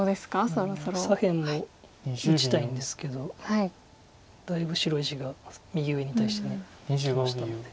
左辺も打ちたいんですけどだいぶ白石が右上に対してきましたので。